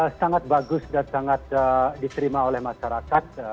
sangat bagus dan sangat diterima oleh masyarakat